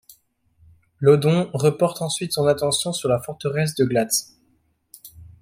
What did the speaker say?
Laudon reporte ensuite son attention sur la forteresse de Glatz.